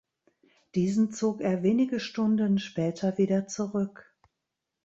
Diesen zog er wenige Stunden später wieder zurück.